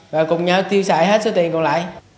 và cùng nhau tiêu xài hết số tiền còn lại